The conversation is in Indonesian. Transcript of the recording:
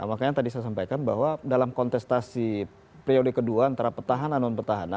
makanya tadi saya sampaikan bahwa dalam kontestasi priode kedua antara petahana non petahana